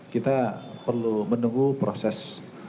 kita perlu menunggu proses